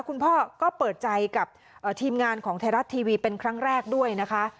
คุณพ่อก็เปิดใจกับทีมงานของไทยรัฐทีวีเป็นครั้งแรกด้วยนะคะ